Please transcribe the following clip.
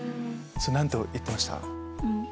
何て言ってました？